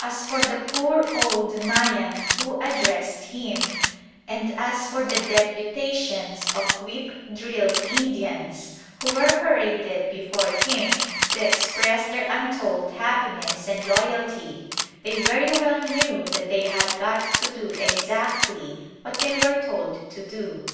As for the poor old Mayan who addressed him, and as for the deputations of whip drilled Indians who were paraded before him to express their untold happiness and loyalty, they very well knew that they had got to do exactly what they were told to do.